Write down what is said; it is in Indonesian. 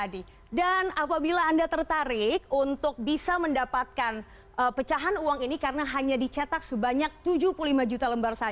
dan apabila anda tertarik untuk bisa mendapatkan pecahan uang ini karena hanya dicetak sebanyak rp tujuh puluh lima